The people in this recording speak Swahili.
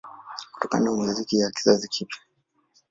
Kutokana na muziki wa kizazi kipya